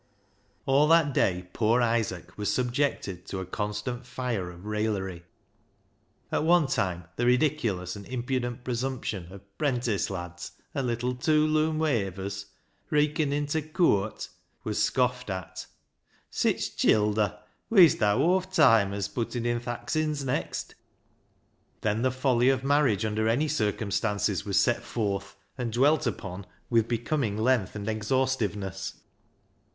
All that day poor Isaac was subjected to a constant fire of raillery. At one time the ridiculous and impudent presumption of " 'prentice lads " and " little two loom wayvers "" reaconing to cooart " was scoffed at. " Sich childer ! wee'st ha' hawf timers puttin' in th' axins next." Then the folly of marriage under any circum stances was set forth, and dwelt upon with becoming length and exhaustiveness.